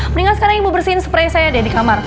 mendingan sekarang ibu bersihin spray saya deh di kamar